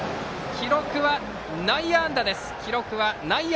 記録は内野安打です。